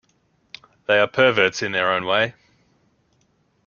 They are perverts in their own way.